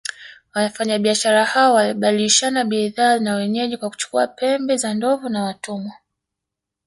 Wafanyabiashara hao walibadilishana bidhaa na wenyeji kwa kuchukua pembe za ndovu na watumwa